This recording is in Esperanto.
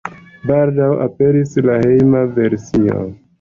Baldaŭ aperis la hejma versio.